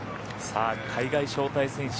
海外招待選手